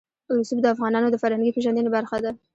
رسوب د افغانانو د فرهنګي پیژندنې برخه ده.